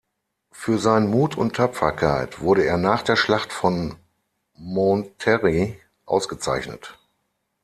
Für seinen Mut und Tapferkeit wurde er nach der Schlacht von Monterrey ausgezeichnet.